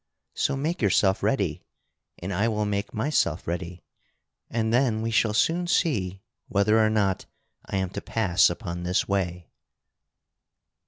So make yourself ready, and I will make myself ready, and then we shall soon see whether or not I am to pass upon this way."